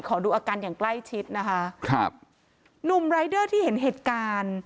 ดูอาการอย่างใกล้ชิดนะคะครับหนุ่มรายเดอร์ที่เห็นเหตุการณ์